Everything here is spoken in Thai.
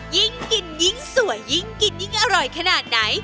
ยิ่งกินยิ่งสวยยิ่งกินยิ่งอร่อยขนาดไหน